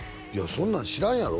そんなん知らんやろ？